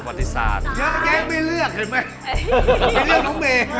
ไม่เลือกหนูเลือกเองค่ะ